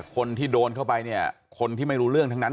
คนที่โดนเข้าไปเนี่ยคนที่ไม่รู้เรื่องทั้งนั้น